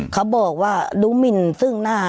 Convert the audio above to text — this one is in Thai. เขาบอกว่ารู้หมินซึ่งหน้า